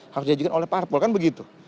harus diajukan oleh parpol kan begitu